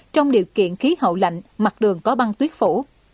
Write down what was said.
trong điều kiện khí hậu lạnh mặt đường có băng tuyết phủ